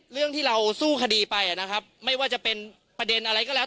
เรื่องที่เราสู้คดีไปนะครับไม่ว่าจะเป็นประเด็นอะไรก็แล้ว